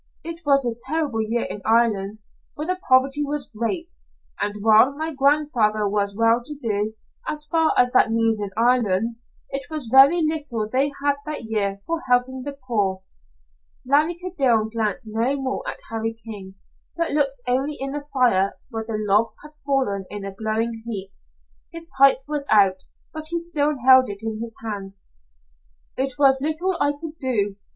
It was a terrible year in Ireland, for the poverty was great, and while my grandfather was well to do, as far as that means in Ireland, it was very little they had that year for helping the poor." Larry Kildene glanced no more at Harry King, but looked only in the fire, where the logs had fallen in a glowing heap. His pipe was out, but he still held it in his hand. "It was little I could do.